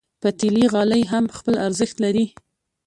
پتېلي غالۍ هم خپل ارزښت لري.